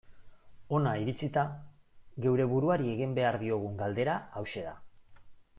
Hona iritsita, geure buruari egin behar diogun galdera hauxe da.